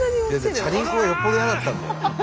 チャリンコがよっぽど嫌だったんだよ。